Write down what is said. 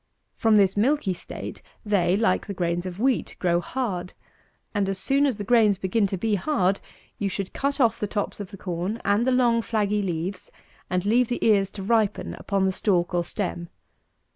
From this milky state, they, like the grains of wheat, grow hard; and as soon as the grains begin to be hard, you should cut off the tops of the corn and the long flaggy leaves, and leave the ears to ripen upon the stalk or stem.